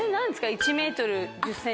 １ｍ１０ｃｍ。